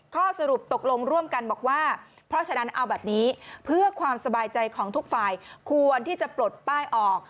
ข้อสรุปตกลงร่วมกันบอกว่าเพราะฉะนั้นเอาแบบนี้เพื่อความสบายใจของทุกฝ่ายควรที่จะปลดป้ายออก